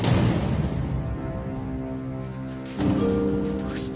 どうして？